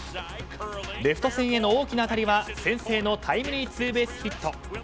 レフト線への大きな当たりは先制のタイムリーツーベースヒット。